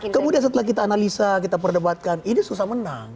kemudian setelah kita analisa kita perdebatkan ini susah menang